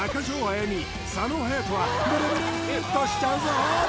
やみ佐野勇斗はブルブルっとしちゃうぞ！